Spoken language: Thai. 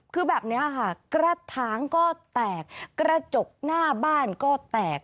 คือแบบนี้ค่ะกระถางก็แตกกระจกหน้าบ้านก็แตก